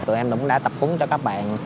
tụi em cũng đã tập cúng cho các bạn